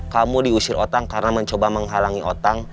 kamu diusir otang karena mencoba menghalangi otang